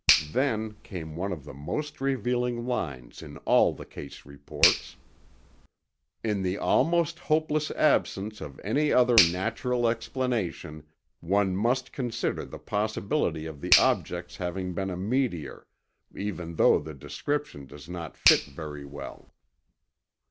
Then came one of the most revealing lines in all the case reports: "In the almost hopeless absence of any other natural explanation, one must consider the possibility of the object's having been a meteor, even though the description does not fit very well."